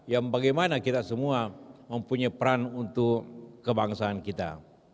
yang bagaimana kita semua mempunyai peran untuk kebangsaan kita